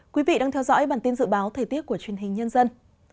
quý vị đang theo dõi bản tin dự báo thời tiết của truyền hình nhân dân